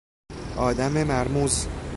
آدم مرموز